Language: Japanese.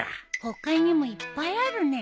他にもいっぱいあるね。